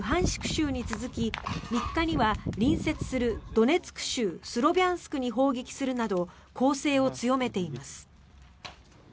州に続き３日には隣接するドネツク州スロビャンスクに砲撃するなど攻勢を強めています。